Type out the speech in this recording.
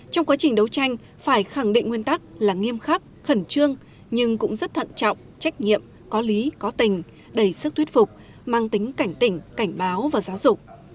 trong quá trình đấu tranh phải khẳng định nguyên tắc là nghiêm khắc khẩn trương nhưng cũng rất thận trọng trách nhiệm có lý có tình đầy sức thuyết phục mang tính cảnh tỉnh cảnh báo và giáo dục